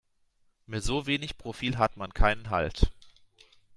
Mit so wenig Profil hat man keinen Halt.